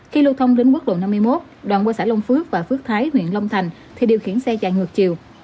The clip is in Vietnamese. khi lưu thông đến quốc lộ năm mươi một đoạn qua xã long phước và phước thái huyện long thành thì điều khiển xe chạy ngược chiều